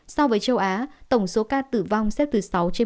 so với châu á tổng số ca tử vong xếp thứ sáu trên bốn mươi chín xếp thứ ba asean